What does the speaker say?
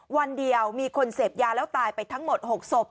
วันเดียวมีคนเสพยาแล้วตายไปทั้งหมด๖ศพ